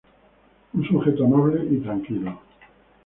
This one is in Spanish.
Un sujeto amable y tranquilo.